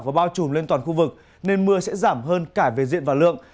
và bao trùm lên toàn khu vực nên mưa sẽ giảm hơn cả về diện và lượng